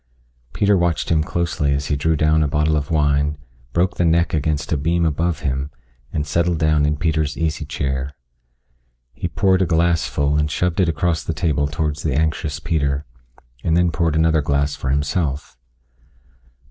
Peter watched him closely as he drew down a bottle of wine, broke the neck against a beam above him, and settled down in Peter's easy chair. He poured a glass full and shoved it across the table towards the anxious Peter, and then poured another glass for himself.